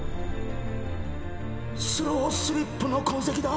スロースリップの痕跡だ